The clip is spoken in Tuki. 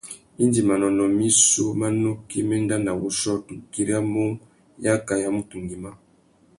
Indi manônōh missú má nukí mà enda nà wuchiô, tu güiramú yaka ya mutu ngüimá.